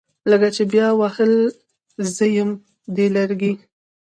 لکه چې بیا وهلي زیم دي لرګي